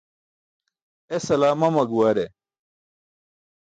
Esala mama guware